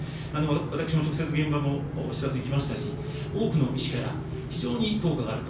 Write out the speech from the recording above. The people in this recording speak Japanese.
私も直接、現場も視察行きましたし、多くの医師から非常に効果があると。